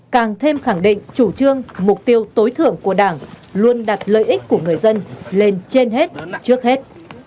càng thêm khẳng định chủ trương mục tiêu tối thưởng của đảng luôn đặt lợi ích của người dân lên trên hết trước hết